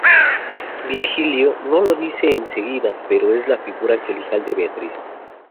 Virgilio no lo dice en seguida pero es la figura angelical de Beatriz.